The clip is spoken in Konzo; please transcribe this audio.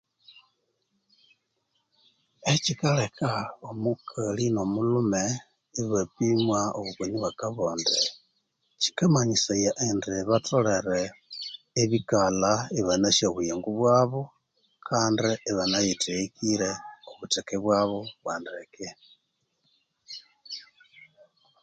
Ekyikaleka omukali no Mulhume ibapimwa obukoni obwa kabonde kyikamanyisaya indi batholere ibikalha ibanasi obuyingo bwabu kandi ibanayitheghekire obutheke bwabu bwa ndeke